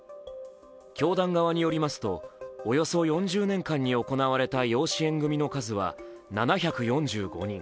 教団側によりますとおよそ４０年間に行われた養子縁組の数は７４５人。